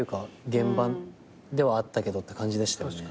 現場ではあったけどって感じでしたよね。